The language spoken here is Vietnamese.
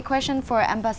chủ tịch giám đốc